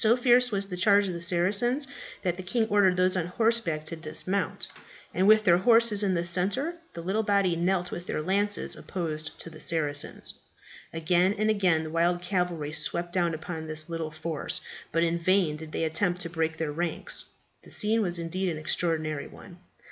So fierce was the charge of the Saracens that the king ordered those on horseback to dismount, and with their horses in the centre, the little body knelt with their lances opposed to the Saracens. Again and again the wild cavalry swept down upon this little force, but in vain did they attempt to break their ranks. The scene was indeed an extraordinary one.